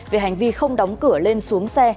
về hành vi không đóng cửa lên xuống xe